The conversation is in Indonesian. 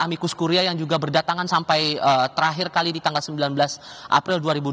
amikus kuria yang juga berdatangan sampai terakhir kali di tanggal sembilan belas april dua ribu dua puluh